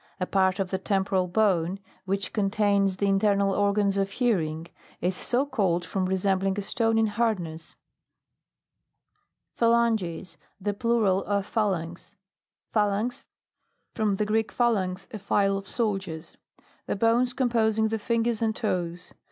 A part of the tem poral bone, which contains the in ternal organs of hearing, is so called from resembling a stone in hardness. PHALANGES. The plural of Phalanx. PHALANX. From the Greek, phalagx, a file of soldiers. The bones com posing the fingers and toes.